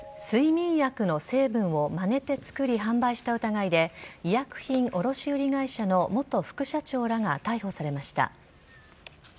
睡眠薬の成分をまねて作り販売した疑いで医薬品卸売会社の元副社長らが逮捕されました。